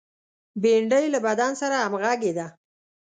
بېنډۍ له بدن سره همغږې ده